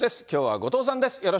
きょうは後藤さんです。